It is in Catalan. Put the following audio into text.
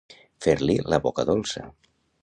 Fer-li la boca dolça.